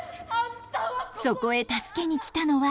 そこへ助けに来たのは。